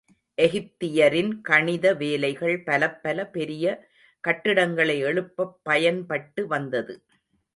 எகிப்தியரின் கணித வேலைகள் பலப்பல பெரிய கட்டிடங்களை எழுப்பப் பயன்பட்டு வந்தது.